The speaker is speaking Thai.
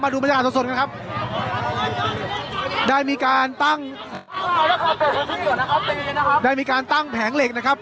ดูบรรยากาศสดกันครับได้มีการตั้งได้มีการตั้งแผงเหล็กนะครับ